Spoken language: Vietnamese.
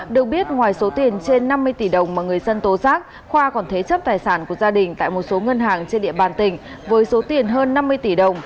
được biết ngoài số tiền trên năm mươi tỷ đồng mà người dân tố giác khoa còn thế chấp tài sản của gia đình tại một số ngân hàng trên địa bàn tỉnh với số tiền hơn năm mươi tỷ đồng